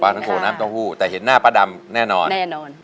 ปานต้องโก่น้ำเต้าหู้แต่เห็นหน้าประดำแน่นอน